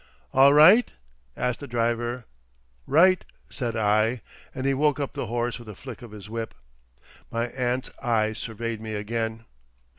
"All right?" asked the driver. "Right," said I; and he woke up the horse with a flick of his whip. My aunt's eyes surveyed me again.